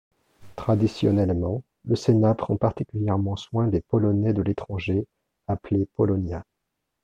Traditionnellement, le Sénat prend particulièrement soin des Polonais de l'étranger, appelés Polonia.